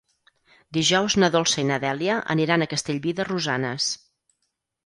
Dijous na Dolça i na Dèlia aniran a Castellví de Rosanes.